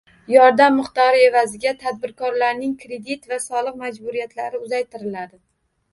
Yordam miqdori evaziga tadbirkorlarning kredit va soliq majburiyatlari uzaytiriladi